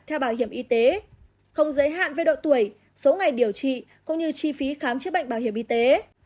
theo bảo hiểm y tế không giới hạn về độ tuổi số ngày điều trị cũng như chi phí khám chữa bệnh bảo hiểm y tế